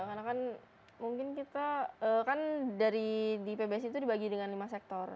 karena kan mungkin kita kan di pbs itu dibagi dengan lima sektor